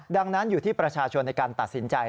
ดังนั้นอยู่ที่ประชาชนในการตัดสินใจ